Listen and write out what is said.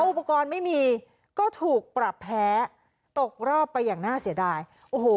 อุปกรณ์ไม่มีก็ถูกปรับแพ้ตกรอบไปอย่างน่าเสียดายโอ้โห